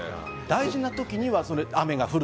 大事な時には雨が降る。